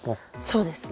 そうですね。